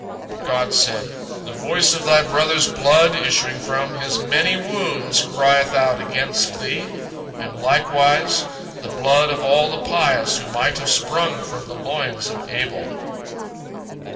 But God said, "The voice of thy brother's blood issuing from his many wounds crieth out against thee, and likewise the blood of all the pious who might have sprung from the loins of Abel."